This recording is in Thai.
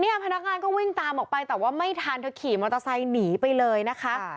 พนักงานก็วิ่งตามออกไปแต่ว่าไม่ทันเธอขี่มอเตอร์ไซค์หนีไปเลยนะคะ